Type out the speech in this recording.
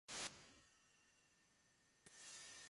緊急逮捕